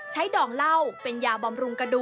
ดองเหล้าเป็นยาบำรุงกระดูก